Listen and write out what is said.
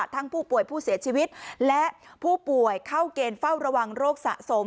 ทั้งผู้ป่วยผู้เสียชีวิตและผู้ป่วยเข้าเกณฑ์เฝ้าระวังโรคสะสม